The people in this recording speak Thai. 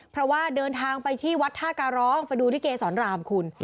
เพราะว่าเดินทางไปที่วัดท่าการร้องไปดูที่เกษรรามคุณ